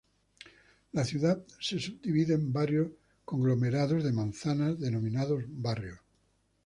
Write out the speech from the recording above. La ciudad se subdivide en varios conglomerados de manzanas, denominados barrios.